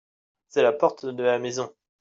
c'est la porte de la maison.